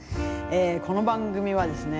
この番組はですね